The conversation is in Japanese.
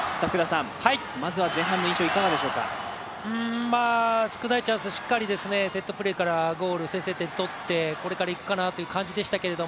まずは前半の印象いかがでしょうか少ないチャンスをしっかりセットプレーからゴール先制点を取ってこれからいくかなという感じでしたけど